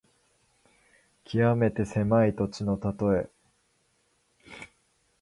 きわめて狭い土地のたとえ。